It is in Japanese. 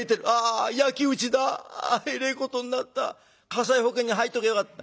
火災保険に入っときゃよかった」。